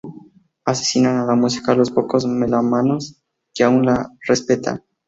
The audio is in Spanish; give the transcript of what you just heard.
¿asesinan a la música a los pocos melómanos que aún la respetan?